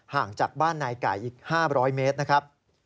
ห่างจากบ้านนายไก่อีก๕๐๐เมตรนะครับ